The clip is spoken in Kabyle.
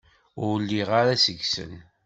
Ur lliɣ ara seg-sen.